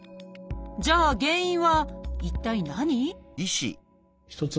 じゃあ原因は一体何？